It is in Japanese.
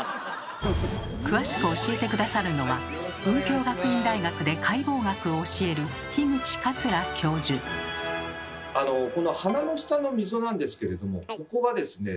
詳しく教えて下さるのは文京学院大学で解剖学を教えるこの鼻の下の溝なんですけれどもここはですね